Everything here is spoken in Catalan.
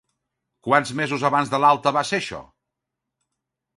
Quants mesos abans de l'alta va ser això?